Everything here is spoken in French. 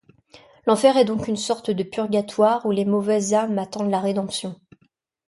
L'enfer est donc une sorte de purgatoire où les mauvaises âmes attendent la rédemption.